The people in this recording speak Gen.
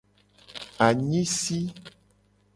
Anyisi.